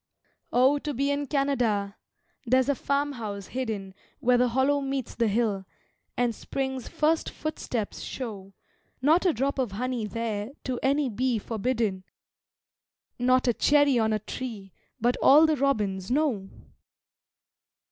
Oh, to be in Canada! there's a farmhouse hidden Where the hollow meets the hill and Spring's first footsteps show Not a drop of honey there to any bee forbidden, Not a cherry on a tree but all the robins know!